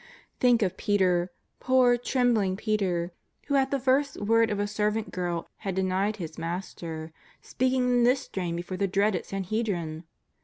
Think of Peter, poor, trembling Peter, who at the first word of a servant girl had denied his Master, speaking in this strain before the dreaded Sanhedrin!